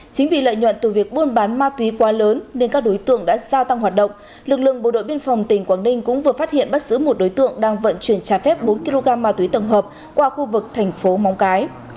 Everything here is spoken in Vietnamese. chính vì lợi nhuận từ việc buôn bán ma túy quá lớn nên các đối tượng đã gia tăng hoạt động lực lượng bộ đội biên phòng tỉnh quảng ninh cũng vừa phát hiện bắt giữ một đối tượng đang vận chuyển trái phép bốn kg ma túy tổng hợp qua khu vực thành phố móng cái